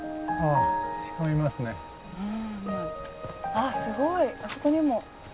あっすごいあそこにも。